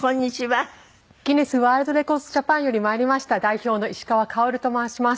ギネスワールドレコーズジャパンよりまいりました代表の石川佳織と申します。